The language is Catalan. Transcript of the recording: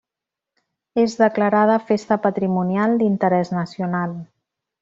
És declarada Festa Patrimonial d'Interès Nacional.